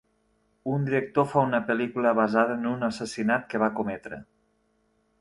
Un director fa una pel·lícula basada en un assassinat que va cometre.